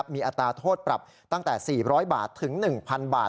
มีอัตราโทษปรับตั้งแต่๔๐๐บาทถึง๑๐๐บาท